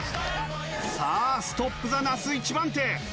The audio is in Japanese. さあストップザ那須一番手！